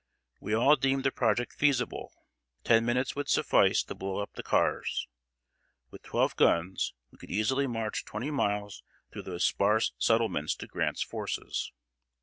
We all deemed the project feasible. Ten minutes would suffice to blow up the cars. With twelve guns, we could easily march twenty miles through those sparse settlements to Grant's forces.